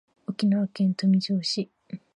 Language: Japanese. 沖縄県豊見城市